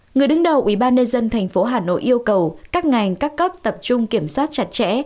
người đứng đầu ubnd tp hà nội yêu cầu các ngành các cấp tập trung kiểm soát chặt chẽ